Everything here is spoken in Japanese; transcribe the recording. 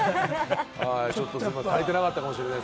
ちょっと足りてなかったかもしれない。